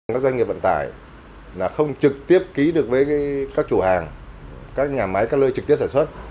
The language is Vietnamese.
các doanh nghiệp vận tải không trực tiếp ký được với các chủ hàng các nhà máy các lơi trực tiếp sản xuất